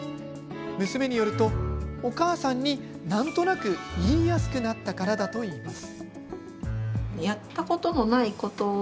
娘によると、お母さんになんとなく言いやすくなったからだと言います。